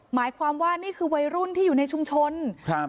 หมายความว่านี่คือวัยรุ่นที่อยู่ในชุมชนครับ